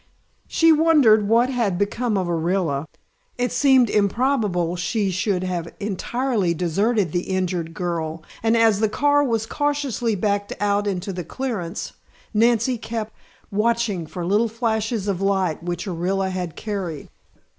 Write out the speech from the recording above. She wondered what had become of Orilla. It seemed improbable she should have entirely deserted the injured girl, and as the car was cautiously backed out into the clearance, Nancy kept watching for little flashes of the light which Orilla had carried.